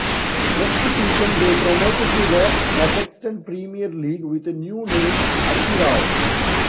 Next season, they promoted to the Kazakhstan Premier League with a new name Atyrau.